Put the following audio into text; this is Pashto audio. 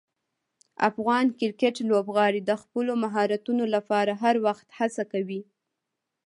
افغان کرکټ لوبغاړي د خپلو مهارتونو لپاره هر وخت هڅه کوي.